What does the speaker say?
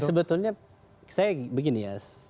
sebetulnya saya begini ya